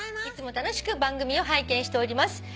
「いつも楽しく番組を拝見しております」